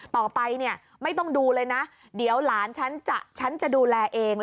ต่อไปเนี่ยไม่ต้องดูเลยนะเดี๋ยวหลานฉันจะดูแลเอง